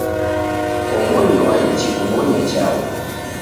Omoni waichi kubonya chaghu.